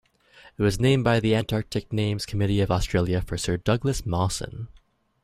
It was named by the Antarctic Names Committee of Australia for Sir Douglas Mawson.